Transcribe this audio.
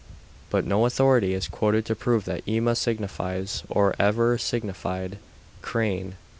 But no authority is quoted to prove that ema signifies, or ever signified, crane.